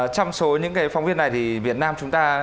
trong số những phóng viên này thì việt nam chúng ta